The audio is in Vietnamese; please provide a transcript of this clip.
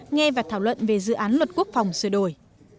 nghe và thảo luận về dự án luật quốc phòng sửa đổi